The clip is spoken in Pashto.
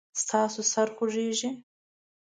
ستاسو سر خوږیږي؟